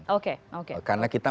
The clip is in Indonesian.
karena kita masih dalam prediksi kita